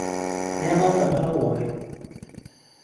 你有冇去開會